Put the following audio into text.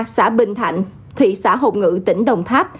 xã bình thạnh